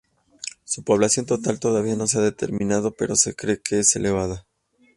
Su población total todavía no se ha determinado, pero se cree que es elevada.